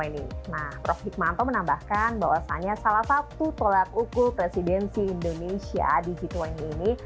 nah prof hikmanto menambahkan bahwasannya salah satu tolak ukur presidensi indonesia di g dua puluh ini